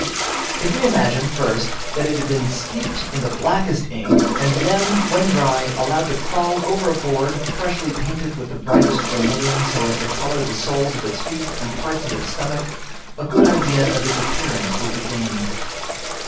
If we imagine, first, that it had been steeped in the blackest ink, and then, when dry, allowed to crawl over a board, freshly painted with the brightest vermilion, so as to colour the soles of its feet and parts of its stomach, a good idea of its appearance will be gained.